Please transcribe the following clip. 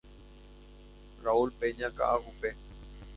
Raúl Peña Kaʼakupe.